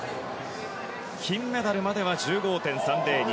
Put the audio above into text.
金メダルまでは１５．３０２